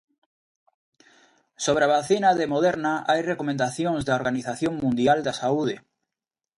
Sobre a vacina de Moderna hai recomendacións da Organización Mundial da Saúde.